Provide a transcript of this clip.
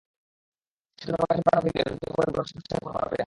সেতুর নড়বড়ে কাঠের পাটাতন ভেঙে নদীতে পড়ে দুর্ঘটনারও িশকার হচ্ছেন পারাপারকারীরা।